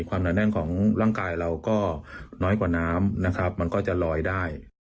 หนาแน่นของร่างกายเราก็น้อยกว่าน้ำนะครับมันก็จะลอยได้